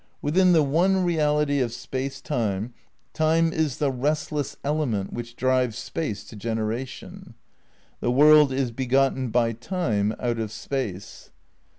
Within the one reality of Space Time, Time is the "restless element" which drives Space to generation. "The world is begotten by Time out of Space."